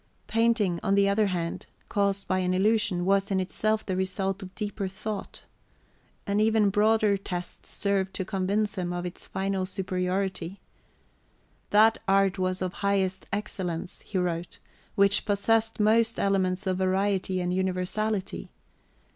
Painting, on the other hand, caused by an illusion, was in itself the result of deeper thought. An even broader test served to convince him of its final superiority. That art was of highest excellence, he wrote, which possessed most elements of variety and universality.